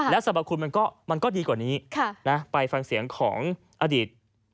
สรรพคุณมันก็ดีกว่านี้ไปฟังเสียงของอดีต